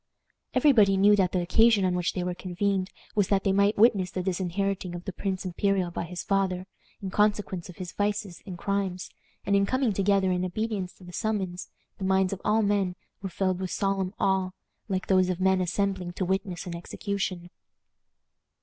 Every body knew that the occasion on which they were convened was that they might witness the disinheriting of the prince imperial by his father, in consequence of his vices and crimes; and in coming together in obedience to the summons, the minds of all men were filled with solemn awe, like those of men assembling to witness an execution.